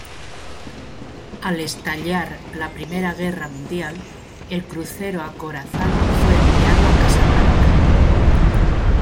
Al estallar la Primera Guerra Mundial, el crucero acorazado fue enviado a Casablanca.